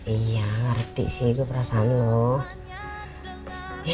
iya ngerti sih ibu perasaan loh